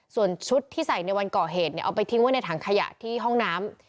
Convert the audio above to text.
ส่วนชุดที่ใส่ในวันก่อเหตุเอาไปทิ้งไว้ในถังขยะที่ห้องน้ำ